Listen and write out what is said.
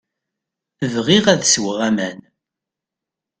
Bɣiɣ ad sweɣ aman.